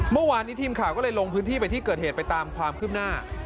เมื่อวานนี้ทีมข่าวก็เลยลงพื้นที่ไปที่เกิดเหตุไปตามความคืบหน้า